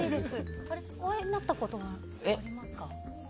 お会いになったことはありますか？